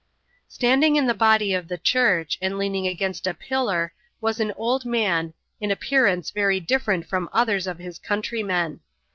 Standing in the body of the church, and leaning against a pillar, was an old man, in appearance very different from others of his countrymen.